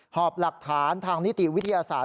หอบหลักฐานทางนิติวิทยาศาสตร์